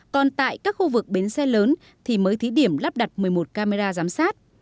còn tại các khu vực bến xe lớn thì mới thí điểm lắp đặt một mươi một camera giám sát